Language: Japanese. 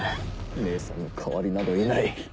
姉さんの代わりなどいない。